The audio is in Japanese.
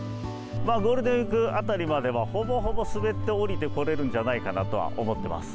ゴールデンウィークあたりまでは、ほぼほぼ滑って降りてこれるんじゃないかとは思ってます。